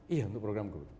iya untuk program kur